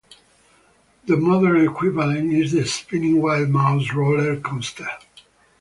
The modern equivalent is the Spinning Wild Mouse roller coaster.